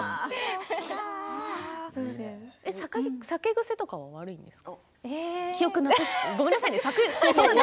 酒癖とかは悪いんですか。